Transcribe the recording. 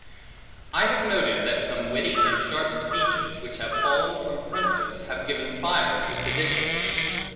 I have noted, that some witty and sharp speeches, which have fallen from princes, have given fire to seditions.